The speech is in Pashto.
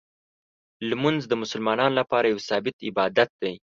لمونځ د مسلمانانو لپاره یو ثابت عبادت دی.